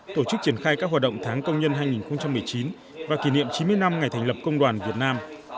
tổ chức triển khai các hoạt động tháng công nhân hai nghìn một mươi chín và kỷ niệm chín mươi năm ngày thành lập công đoàn việt nam